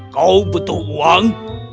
kau butuh uang